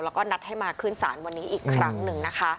แล้วก็นัดให้มาขึ้นศาลวันนี้อีกครั้งหนึ่งนะคะ